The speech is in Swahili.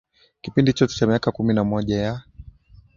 kipindi chote cha maiaka kumi na moja ya